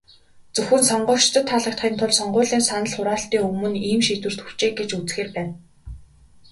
Зөвхөн сонгогчдод таалагдахын тулд, сонгуулийн санал хураалтын өмнө ийм шийдвэрт хүрчээ гэж үзэхээр байна.